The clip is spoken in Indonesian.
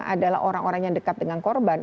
adalah orang orang yang dekat dengan korban